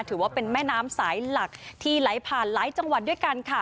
ถือว่าเป็นแม่น้ำสายหลักที่ไหลผ่านหลายจังหวัดด้วยกันค่ะ